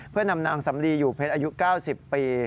เพื่อนำนางสำลีอยู่เพชรอายุ๙๐ปี